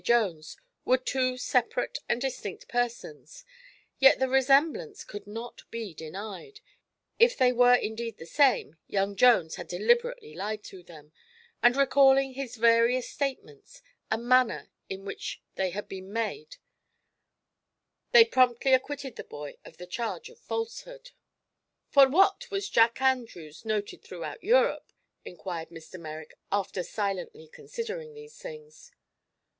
Jones were two separate and distinct persons; yet the resemblance could not be denied, if they were indeed the same, young Jones had deliberately lied to them, and recalling his various statements and the manner in which they had been made, they promptly acquitted the boy of the charge of falsehood. "For what was Jack Andrews noted throughout Europe?" inquired Mr. Merrick, after silently considering these things.